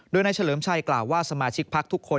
โดยนายเฉลิมชัยกล่าวว่าสมาชิกพักทุกคน